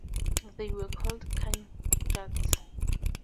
They were called Kanjuts.